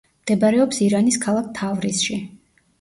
მდებარეობს ირანის ქალაქ თავრიზში.